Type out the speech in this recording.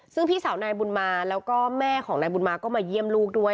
ซึ่งพี่สาวนายบุญมาแล้วก็แม่ของนายบุญมาก็มาเยี่ยมลูกด้วย